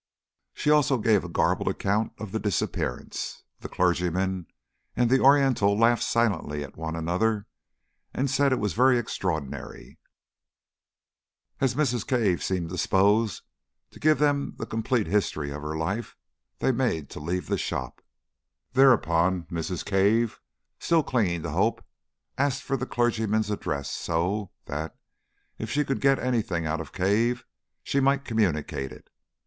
She also gave a garbled account of the disappearance. The clergyman and the Oriental laughed silently at one another, and said it was very extraordinary. As Mrs. Cave seemed disposed to give them the complete history of her life they made to leave the shop. Thereupon Mrs. Cave, still clinging to hope, asked for the clergyman's address, so that, if she could get anything out of Cave, she might communicate it.